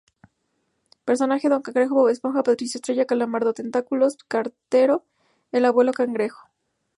Personajes: Don Cangrejo, Bob Esponja, Patricio Estrella, Calamardo Tentáculos, Cartero, El abuelo Cangrejo.